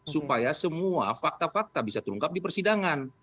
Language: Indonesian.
supaya semua fakta fakta bisa terungkap di persidangan